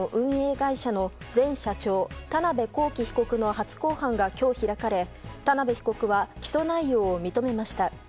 会社の前社長田辺公己被告の初公判が今日、開かれ田辺被告は起訴内容を認めました。